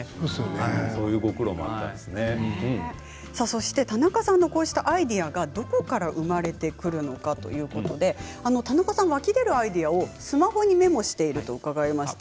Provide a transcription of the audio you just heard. そういうご苦労が田中さんのアイデアがどういうところから生まれてくるのかということで田中さんも湧き出るアイデアをスマホにメモしていると伺いました。